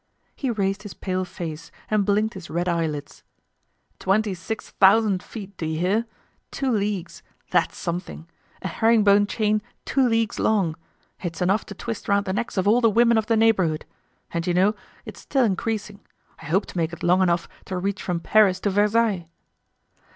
He raised his pale face, and blinked his red eye lids. "Twenty six thousand feet, do you hear? Two leagues! That's something! A herring bone chain two leagues long! It's enough to twist round the necks of all the women of the neighborhood. And you know, it's still increasing. I hope to make it long enough to reach from Paris to Versailles."